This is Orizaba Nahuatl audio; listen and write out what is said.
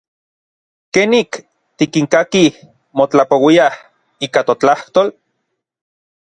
¿Kenik tikinkakij motlapouiaj ika totlajtol?